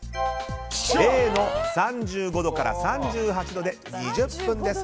Ａの３５度から３８度で２０分です。